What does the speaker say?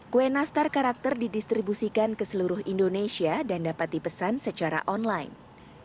kue nastar karakter didistribusikan ke seluruh indonesia dan dapat dipesan secara online